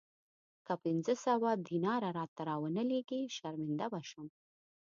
که پنځه سوه دیناره راته را ونه لېږې شرمنده به شم.